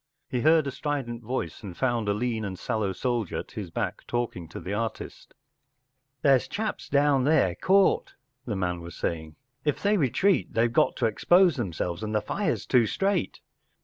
He heard a strident voice, and found a lean and sallow soldier at his back talking to the artist. “There’s chaps down there caught,” the man was saying. “ If they retreat they got to expose themselves, and the fire’s too straight.